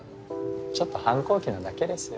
ちょっと反抗期なだけですよ。